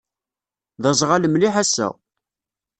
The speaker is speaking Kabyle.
D aẓɣal mliḥ ass-a.